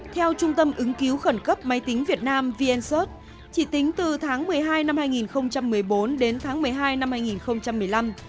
theo trung tâm ứng cứu khẩn cấp máy tính việt nam vncert chỉ tính từ tháng một mươi hai năm hai nghìn một mươi bốn đến tháng một mươi hai năm hai nghìn một mươi năm